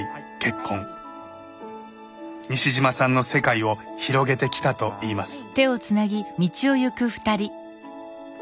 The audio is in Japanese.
西島さんの世界を広げてきたといいます。